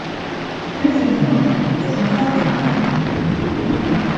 This is known as a capping inversion.